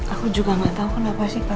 aku juga gak tahu kenapa sih pak